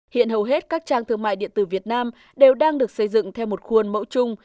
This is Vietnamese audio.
hiện hầu hết các trang thương mại điện tử việt nam đều đang được xây dựng theo một khuôn mẫu chung